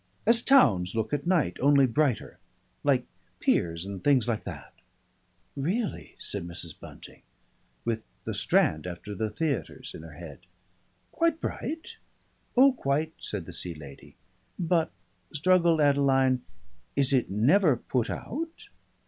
As towns look at night only brighter. Like piers and things like that." "Really!" said Mrs. Bunting, with the Strand after the theatres in her head. "Quite bright?" "Oh, quite," said the Sea Lady. "But " struggled Adeline, "is it never put out?"